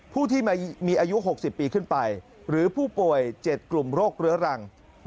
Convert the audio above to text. ผู้ที่มีอายุ๖๐ปีขึ้นไปหรือผู้ป่วย๗กลุ่มโรคเรื้อรัง